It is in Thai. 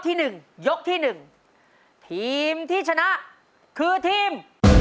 ทีมที่ชนะคือทีม